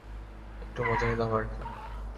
একটু মজা নিলাম আরকি!